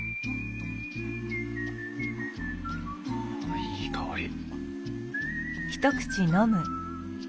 あいい香り。